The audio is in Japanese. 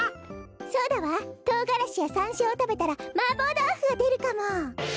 そうだわとうがらしやさんしょうをたべたらマーボーどうふがでるかも。